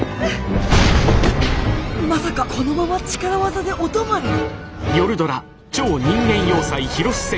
まさかこのまま力技でお泊まりに。